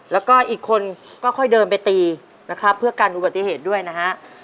แล้วก็อีกคนก็ค่อยเดินไปตีนะครับเพื่อกันอุบัติเหตุด้วยนะฮะ